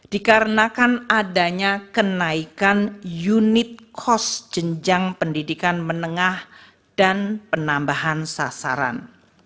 dikarenakan adanya kenaikan unit cost jenjang pendidikan menengah dan penambahan sasaran